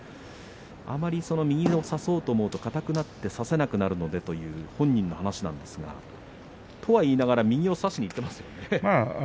あまり右を差そうと思うと硬くなって差せなくなるのでという本人の話なんですけどとは言いながら右を差しにいきますよね。